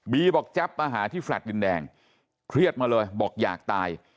บอกแจ๊บมาหาที่แลตดินแดงเครียดมาเลยบอกอยากตาย